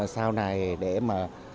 sau này để mà